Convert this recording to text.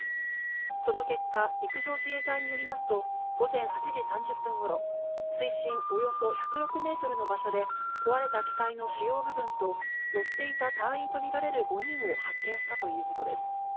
その結果、陸上自衛隊によりますと、午前８時３０分ごろ、水深およそ１０６メートルの場所で、壊れた機体の主要部分と、乗っていた隊員と見られる５人を発見したということです。